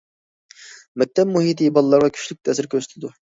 مەكتەپ مۇھىتى بالىلارغا كۈچلۈك تەسىر كۆرسىتىدۇ.